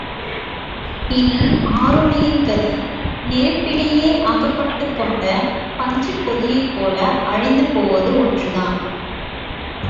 இனி ஆருணியின் கதி, நெருப்பிடையே அகப்பட்டுக்கொண்ட பஞ்சுப்பொதியைப் போல அழிந்து போவது ஒன்றுதான்.